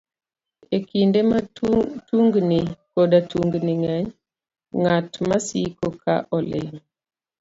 E kinde ma tungni koda tungni ng'eny, ng'at masiko ka oling'